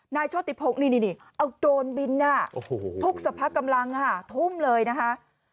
โชติพงศ์นี่เอาโดรนบินทุกสภากำลังทุ่มเลยนะคะ